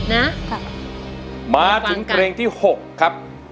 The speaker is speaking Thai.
นะค่ะมีความกลัวมาถึงเพลงที่๖ครับ